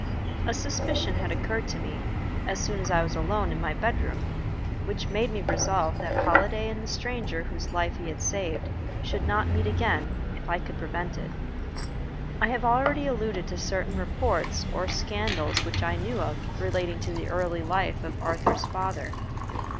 A suspicion had occurred to me, as soon as I was alone in my bedroom, which made me resolve that Holliday and the stranger whose life he had saved should not meet again, if I could prevent it. I have already alluded to certain reports or scandals which I knew of relating to the early life of Arthur's father.